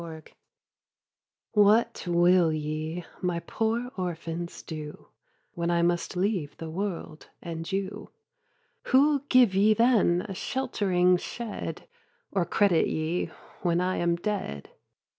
TO HIS VERSES What will ye, my poor orphans, do, When I must leave the world and you; Who'll give ye then a sheltering shed, Or credit ye, when I am dead?